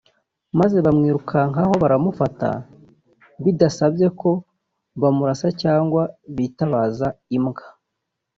maze bamwirukankaho baramufata bidasabye ko bamurasa cyangwa bitabaza imbwa